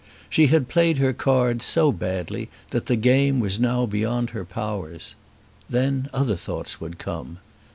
She had played her cards so badly that the game was now beyond her powers. Then other thoughts would come.